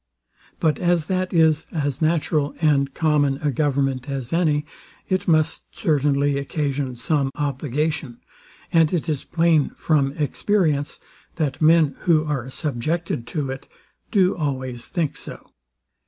But as that is as natural and common a government as any, it must certainly occasion some obligation; and it is plain from experience, that men, who are subjected to it, do always think so.